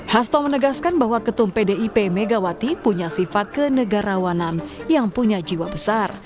hasto menegaskan bahwa ketum pdip megawati punya sifat kenegarawanan yang punya jiwa besar